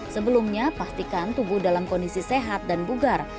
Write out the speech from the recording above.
sebelumnya pastikan tubuh dalam kondisi sehat dan bugar